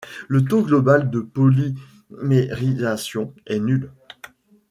Le taux global de polymérisation est nul.